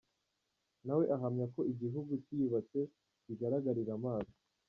Na we ahamya ko igihugu cyiyubatse bigaragarira amaso.